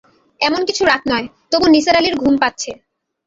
এমন কিছু রাত নয়, তবু নিসার আলির ঘুম পাচ্ছে।